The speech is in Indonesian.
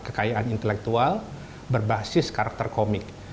kekayaan intelektual berbasis karakter komik